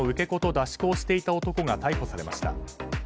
子と出し子をしていた男が逮捕されました。